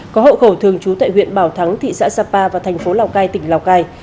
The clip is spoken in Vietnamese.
có hộ khẩu thường trú tại huyện bảo thắng thị xã sapa và thành phố lào cai tỉnh lào cai